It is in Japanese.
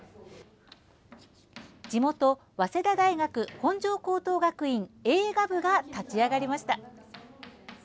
地元・早稲田大学本庄高等学院映画部が立ち上がりました。